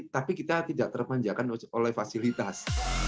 tapi kita tidak terpanjakan oleh fasilitas